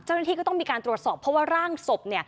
เจ้าหน้าที่ก็ต้องมีการตรวจสอบเพราะว่าร่างศพ